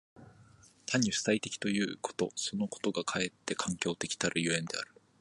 単に主体的ということそのことがかえって環境的たる所以である。